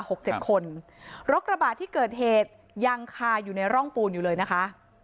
หกเจ็ดคนรถกระบาดที่เกิดเหตุยังคาอยู่ในร่องปูนอยู่เลยนะคะ